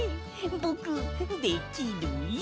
ぼくできるよ！